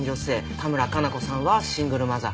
多村加奈子さんはシングルマザー。